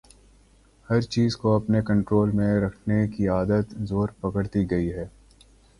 ہر چیز کو اپنے کنٹرول میں رکھنے کی عادت زور پکڑتی گئی ہے۔